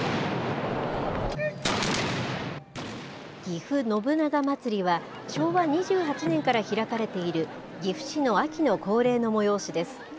ぎふ信長まつりは、昭和２８年から開かれている岐阜市の秋の恒例の催しです。